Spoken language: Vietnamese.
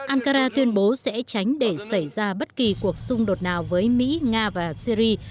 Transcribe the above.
ankara tuyên bố sẽ tránh để xảy ra bất kỳ cuộc xung đột nào với mỹ nga và syri